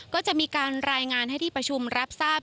ก็จะมีการรายงานให้ที่ประชุมรับทราบ